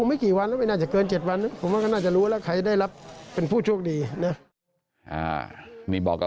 มีบอกเอาคุณท่านนะ